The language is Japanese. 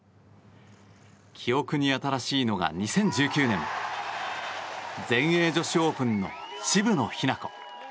記憶に新しいのが２０１９年全英女子オープンの渋野日向子。